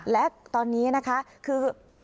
และตอนนี้นะคะคือ